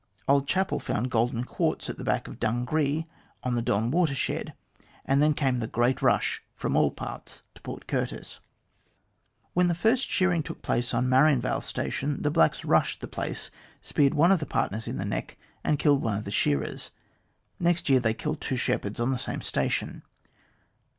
Old Chappie found golden quartz at the back of Dungree on the Don water shed, and then came the great rush from all parts to Port Curtis. "When the first shearing took place on Marian Vale Station,, the blacks rushed the place, speared one of the partners in the neck, and killed one of the shearers. Next year they killed two shepherds on the same station.